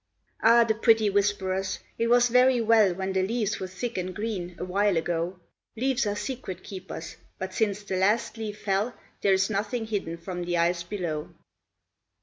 Ah, the pretty whisperers! It was very well When the leaves were thick and green, awhile ago Leaves are secret keepers; but since the last leaf fell There is nothing hidden from the eyes below.